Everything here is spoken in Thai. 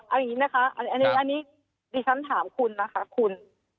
อันนี้นะคะชั้นถามคุณนะคะคุณ